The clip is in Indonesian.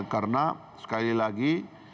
karena sekali lagi